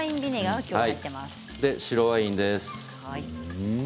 白ワインです。